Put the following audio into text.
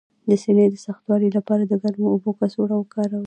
د سینې د سختوالي لپاره د ګرمو اوبو کڅوړه وکاروئ